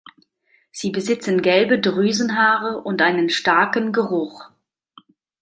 Sie besitzen gelbe Drüsenhaare und einen starken Geruch.